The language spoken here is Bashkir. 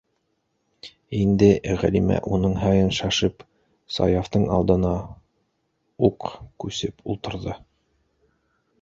Инде, - Ғәлимә, уның һайын шашып, Саяфтың алдына уҡ күсеп ултырҙы.